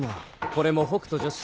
これも北斗女史